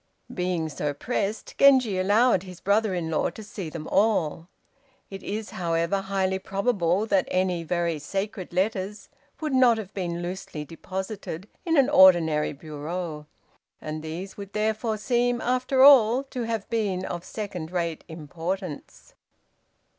Being so pressed, Genji allowed his brother in law to see them all. It is, however, highly probable that any very sacred letters would not have been loosely deposited in an ordinary bureau; and these would therefore seem, after all, to have been of second rate importance.